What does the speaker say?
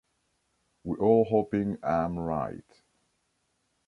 We’re all hoping I’m right.